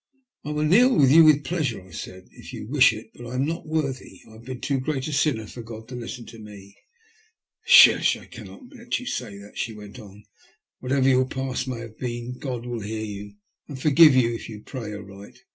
" I will kneel with you with pleasure," I said, " if you wish it, but I am not worthy. I have been too great a sinner for God to listen to me." »" Hush ! I cannot let you say that," she went on. " Whatever your past may have been, God will hear you and forgive you if you pray aright.